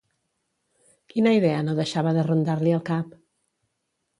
Quina idea no deixava de rondar-li el cap?